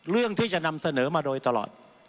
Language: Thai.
เรื่องที่จะนำเสนอมาโดยตลอด